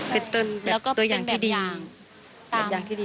เป็นต้นแบบตัวอย่างที่ดี